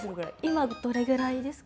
今、どれぐらいですか？